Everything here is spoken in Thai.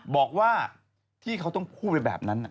บอกว่าที่เขาต้องพูดไปแบบนั้น